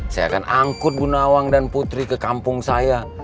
saya akan angkut bunawang dan putri ke kampung saya